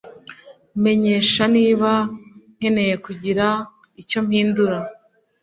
Menyesha niba nkeneye kugira icyo mpindura